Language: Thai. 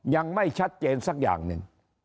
ยังไม่ชัดเจนสักอย่างหนึ่ง